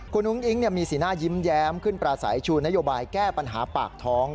คุณอุ้งอิ๊งมีสีหน้ายิ้มแย้มขึ้นปราศัยชูนโยบายแก้ปัญหาปากท้อง